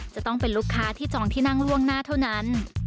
จะต้องเป็นลูกค้าที่จองที่นั่งล่วงหน้าเท่านั้น